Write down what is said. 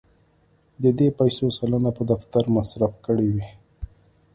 د دې پیسو سلنه په دفتر مصرف کړې وې.